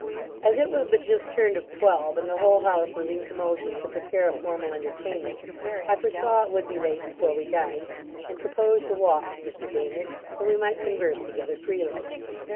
As it was but just turned of twelve, and the whole house was in commotion to prepare a formal entertainment, I foresaw it would be late before we dined, and proposed a walk to Mr Baynard, that we might converse together freely.